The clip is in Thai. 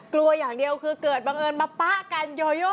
กลัวอย่างเดียวคือเกิดบังเอิญมาปะกันโยโย